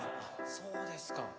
そうですか。